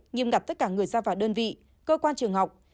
nghiêm ngặt tất cả người ra vào đơn vị cơ quan trường học